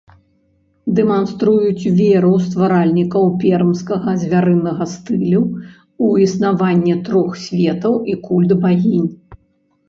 Дэманструюць веру стваральнікаў пермскага звярынага стылю ў існаванне трох светаў і культ багінь.